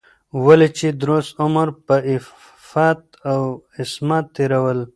ولې چې درست عمر په عفت او عصمت تېرول